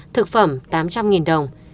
thực phẩm tám trăm linh đồng